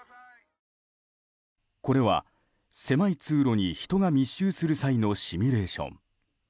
これは、狭い通路に人が密集する際のシミュレーション。